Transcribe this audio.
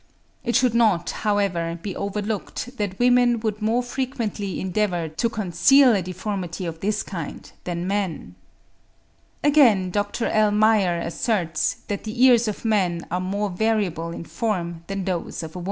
It should not, however, be overlooked that women would more frequently endeavour to conceal a deformity of this kind than men. Again, Dr. L. Meyer asserts that the ears of man are more variable in form than those of a woman. (27. 'Archiv fur Path. Anat.